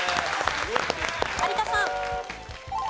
有田さん。